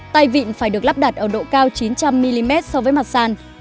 tay vịn phải được lắp đặt ở độ cao chín trăm linh mm so với mặt sàn